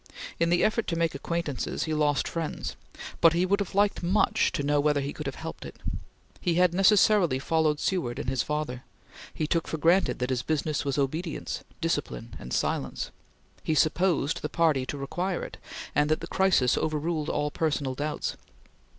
In the effort to make acquaintances, he lost friends, but he would have liked much to know whether he could have helped it. He had necessarily followed Seward and his father; he took for granted that his business was obedience, discipline, and silence; he supposed the party to require it, and that the crisis overruled all personal doubts.